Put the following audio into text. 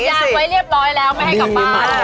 เหยิบจะอยากไว้เรียบร้อยแล้วไม่ให้กลับมา